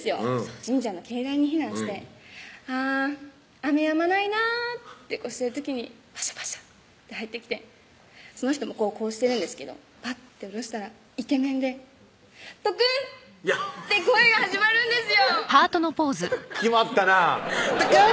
神社の境内に避難してあぁ雨やまないなってこうしてる時にパシャパシャッて入ってきてその人もこうしてるんですけどパッて下ろしたらイケメンでトクン！って恋が始まるんですよ決まったなぁトクン！